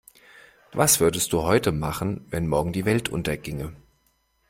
Was würdest du heute machen, wenn morgen die Welt unterginge?